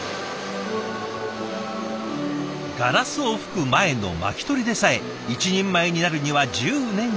ガラスを吹く前の巻き取りでさえ一人前になるには１０年かかる。